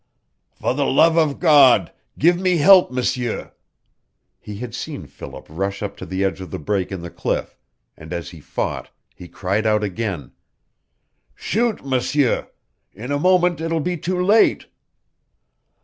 "For the love of God, give me help, M'sieur!" He had seen Philip rush up to the edge of the break in the cliff, and as he fought he cried out again. "Shoot, M'sieur! In a moment it will be too late!"